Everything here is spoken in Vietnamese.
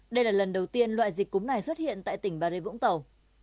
đây là lần đầu tiên loại dịch cúm này xuất hiện tại tỉnh bà rê vũng tàu